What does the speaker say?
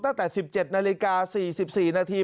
ตั้งแต่๑๗นาฬิกา๔๔นาที